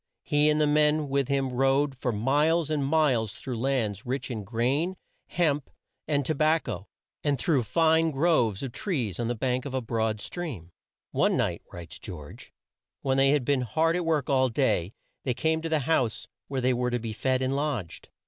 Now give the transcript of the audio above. He and the men with him rode for miles and miles through lands rich in grain, hemp, and to bac co, and through fine groves of trees on the bank of a broad stream. [Illustration: WASHINGTON'S FIRST SPEECH TO THE INDIANS. P. 19.] One night, writes George, when they had been hard at work all day, they came to the house where they were to be fed and lodged.